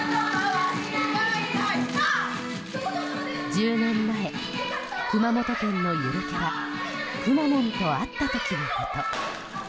１０年前、熊本県のゆるキャラくまモンと会った時のこと。